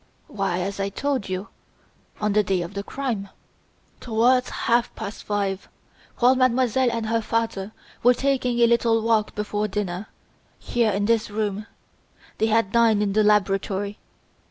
"Why as I told you on the day of the crime, towards half past five while Mademoiselle and her father were taking a little walk before dinner, here in this room: they had dined in the laboratory.